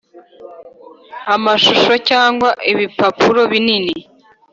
amashusho cyangwa Ibipapuro bininni